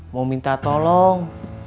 mau minta tolong